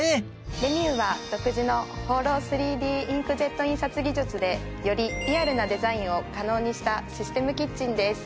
レミューは独自のホーロー３Ｄインクジェット印刷技術でよりリアルなデザインを可能にしたシステムキッチンです。